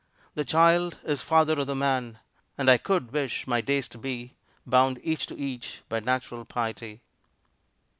The Child is father of the Man; And I could wish my days to be Bound each to each by natural piety.